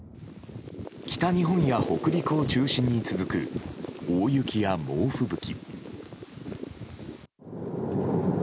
北日本や北陸を中心に続く大雪や猛吹雪。